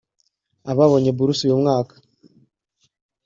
Ababonye buruse uyu mwaka